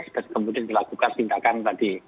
dan kemudian dilakukan tindakan tadi